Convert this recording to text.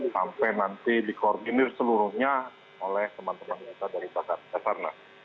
sampai nanti dikoordinir seluruhnya oleh teman teman kita dari basarnas